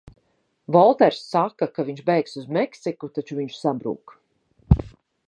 Volters saka, ka viņš bēgs uz Meksiku, taču viņš sabrūk.